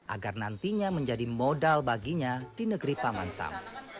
agar nantinya menjadi modal baginya di negeri paman sam